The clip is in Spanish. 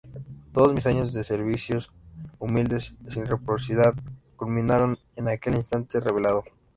Todos mis años de servicios humildes sin reciprocidad culminaron en aquel instante revelador.